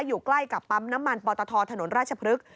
อยู่ใกล้กับปั๊มน้ำมันปตทถนนราชพฤกษ